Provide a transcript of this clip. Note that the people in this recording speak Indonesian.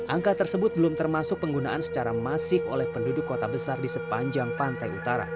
angka tersebut belum termasuk penggunaan secara masif oleh penduduk kota besar di sepanjang pantai utara